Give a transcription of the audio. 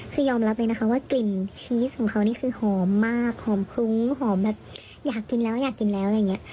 คือยอมรับเลยนะคะว่ากลิ่นชีสของเขานี่คือหอมมากหอมคลุ้งหอมแบบอยากกินแล้วอยากกินแล้วอะไรอย่างนี้